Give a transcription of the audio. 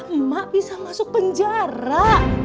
emak bisa masuk penjara